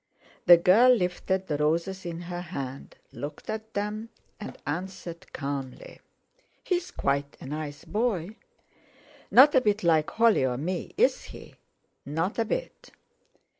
The girl lifted the roses in her hand, looked at them, and answered calmly: "He's quite a nice boy." "Not a bit like Holly or me, is he?" "Not a bit."